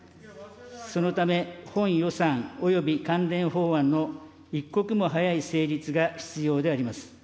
そのため、本予算および関連法案の一刻も早い成立が必要であります。